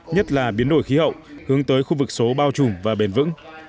nhất là biến đổi khí hậu hướng tới khu vực số bao trùm và bền vững